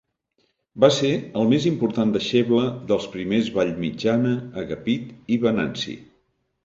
Va ser el més important deixeble dels primers Vallmitjana, Agapit i Venanci.